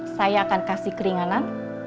saya akan kasih keringanan